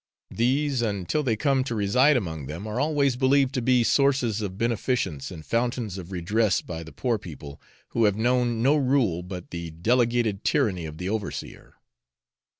These, until they come to reside among them, are always believed to be sources of beneficence and fountains of redress by the poor people, who have known no rule but the delegated tyranny of the overseer.